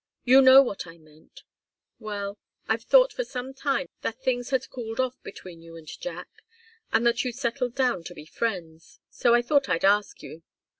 You know what I meant. Well I've thought for some time that things had cooled off between you and Jack, and that you'd settled down to be friends. So I thought I'd ask you.